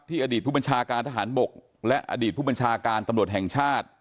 อดีตผู้บัญชาการทหารบกและอดีตผู้บัญชาการตำรวจแห่งชาติ